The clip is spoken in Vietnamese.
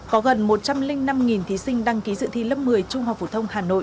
có gần một trăm linh năm thí sinh đăng ký dự thi lớp một mươi trung học phổ thông hà nội